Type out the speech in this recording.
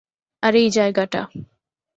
আর এই জায়গাটা।